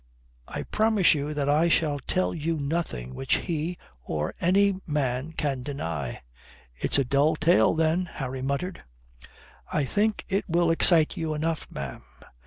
I promise you that I shall tell you nothing which he or any man can deny." "It's a dull tale, then," Harry muttered. "I think it will excite you enough, ma'am.